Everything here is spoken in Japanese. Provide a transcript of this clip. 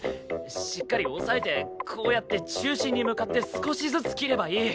しっかり押さえてこうやって中心に向かって少しずつ切ればいい。